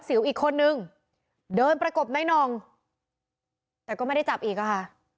สิวอีกคนนึงเดินประกบในน่องแต่ก็ไม่ได้จับอีกอะค่ะ